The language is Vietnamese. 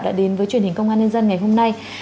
đã đến với truyền hình công an nhân dân ngày hôm nay